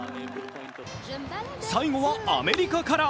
最後はアメリカから。